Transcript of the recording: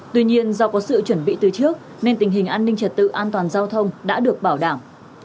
tuy nhiên do có sự chuẩn bị từ trước nên tình hình an ninh trật tự an toàn giao thông đã được bảo đảm